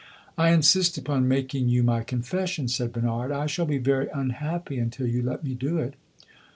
"I insist upon making you my confession," said Bernard. "I shall be very unhappy until you let me do it."